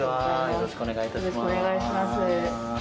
よろしくお願いします。